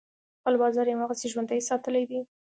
خپل بازار یې هماغسې ژوندی ساتلی دی.